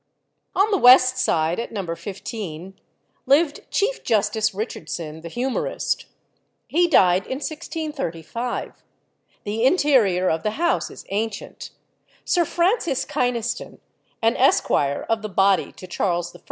On the west side, at No. 15, lived Chief "Justice" Richardson, the humourist. He died in 1635. The interior of the house is ancient. Sir Francis Kynaston, an esquire of the body to Charles I.